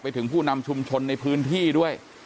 ถึงผู้นำชุมชนในพื้นที่ด้วย